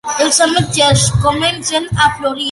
Els ametllers comencen a florir.